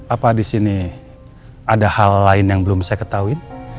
apa di sini ada hal lain yang belum saya ketahui